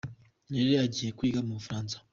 Nirere agiye kwiga mu Bufaransa